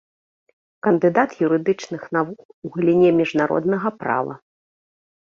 Кандыдат юрыдычных навук у галіне міжнароднага права.